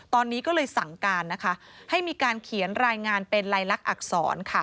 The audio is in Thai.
ตอนนี้ก็เลยสั่งการนะคะให้มีการเขียนรายงานเป็นลายลักษณอักษรค่ะ